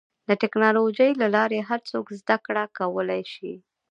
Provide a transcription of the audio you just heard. د ټکنالوجۍ له لارې هر څوک زدهکړه کولی شي.